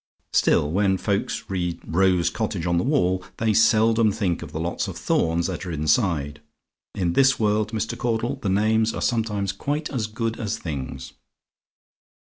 Still, when folks read 'Rose Cottage' on the wall, they seldom think of the lots of thorns that are inside. In this world, Mr. Caudle, names are sometimes quite as good as things.